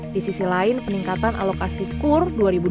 di sisi lain peningkatan alokasi kur dua ribu dua puluh